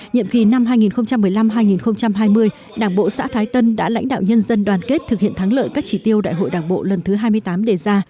nhiệm kỳ năm hai nghìn một mươi năm hai nghìn hai mươi đảng bộ xã thái tân đã lãnh đạo nhân dân đoàn kết thực hiện thắng lợi các chỉ tiêu đại hội đảng bộ lần thứ hai mươi tám đề ra